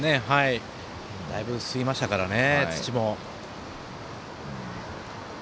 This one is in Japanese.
だいぶ吸いましたからね土も。